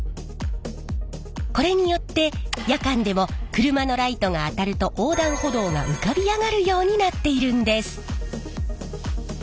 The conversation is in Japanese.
これによって夜間でも車のライトが当たると横断歩道が浮かび上がるようになっているんです。